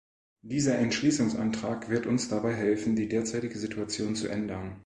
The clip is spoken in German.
Dieser Entschließungsantrag wird uns dabei helfen, die derzeitige Situation zu ändern.